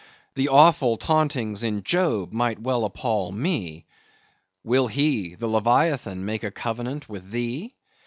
The awful tauntings in Job might well appal me. Will he (the leviathan) make a covenant with thee?